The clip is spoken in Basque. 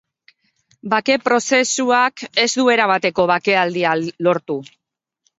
Bake-prozesuak ez du erabateko bakealdia lortu.